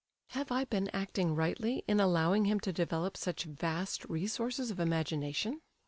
"Have I been acting rightly in allowing him to develop such vast resources of imagination?"